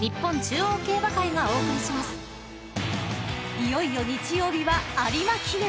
［いよいよ日曜日は有馬記念！